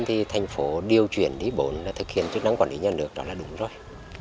thì thành phố điều chuyển đi bộn là thực hiện chức năng quản lý nhà nước đó là đúng rồi